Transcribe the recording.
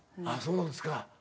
ああそうなんですか。